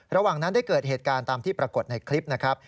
ระหว่างนั้นได้เกิดเหตุการณ์ตามที่ปรากฏในคลิปนะครับ